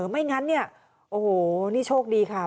ไม่งั้นเนี่ยโอ้โหนี่โชคดีค่ะ